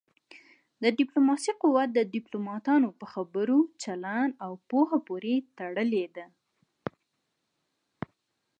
د ډيپلوماسی قوت د ډيپلوماټانو په خبرو، چلند او پوهه پورې تړلی دی.